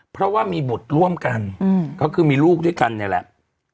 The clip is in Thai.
เพราะว่ามีบุตรร่วมกันก็คือมีลูกด้วยกันเนี่ยแหละ